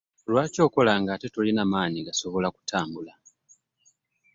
Lwaki okola ate nga tolina manyi gasobola kutambula?